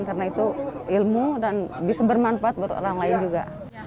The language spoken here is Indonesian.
karena itu ilmu dan bisa bermanfaat buat orang lain juga